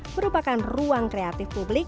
merupakan ruang kreatif publik